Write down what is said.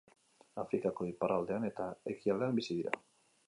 Afrikako iparraldean eta ekialdean bizi dira.